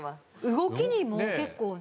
動きにも結構ね。